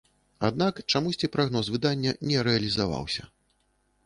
Аднак чамусьці прагноз выдання не рэалізаваўся.